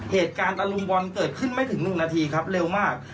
เหตุการณ์ตะลุมบอลเกิดขึ้นไม่ถึง๑นาทีครับเร็วมาก